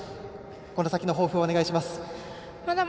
この先の抱負をお願いします。